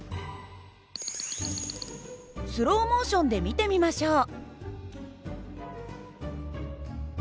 スローモーションで見てみましょう。